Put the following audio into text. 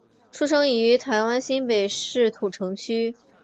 出生于台湾新北市土城区。